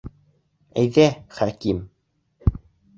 Әйҙә, Хәким!